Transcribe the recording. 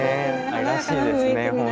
愛らしいですねほんと。